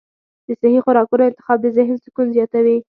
د صحي خوراکونو انتخاب د ذهن سکون زیاتوي.